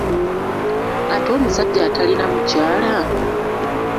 Ate omusajja atalina mukyala?